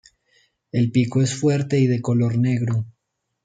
El pico es fuerte y de color negro.